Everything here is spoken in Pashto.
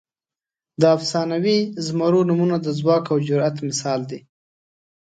د افسانوي زمرو نومونه د ځواک او جرئت مثال دي.